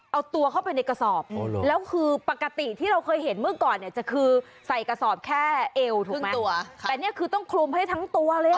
เอาตัวเข้าไปในกระสอบแล้วคือปกติที่เราเคยเห็นเมื่อก่อนเนี่ยจะคือใส่กระสอบแค่เอวครึ่งตัวแต่เนี่ยคือต้องคลุมให้ทั้งตัวเลยอ่ะ